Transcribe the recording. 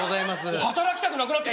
働きたくなくなってきた。